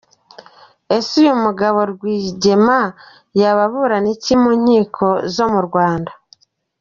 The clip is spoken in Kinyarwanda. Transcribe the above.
Ese uyu mugabo Rwigema yaba aburana iki mu nkiko zo mu Rwanda?